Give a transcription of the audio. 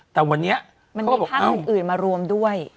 แต่วันนี้มันมีภาพอื่นมารวมด้วย